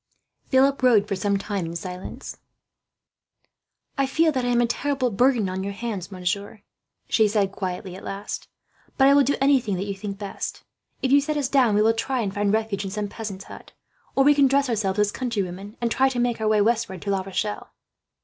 Philip rode for some time in silence. "I feel that I am a terrible burden on your hands, monsieur," she said quietly, at last; "but I will do anything that you think best. If you set us down, we will try and find refuge in some peasant's hut; or we can dress ourselves as countrywomen, and try to make our way westward to La Rochelle."